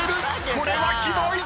［これはひどい！］